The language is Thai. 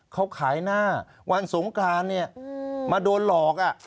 เขาขายหน้าวันสงกรานเนี่ยมาโดนหลอก